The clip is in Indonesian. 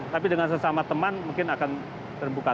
tapi dengan sesama teman mungkin akan terbuka